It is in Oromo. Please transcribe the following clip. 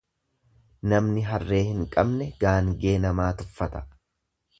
Namni harree hin qabne gaangee namaa tuffata.